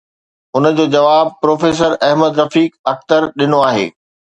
ان جو جواب پروفيسر احمد رفيق اختر ڏنو آهي.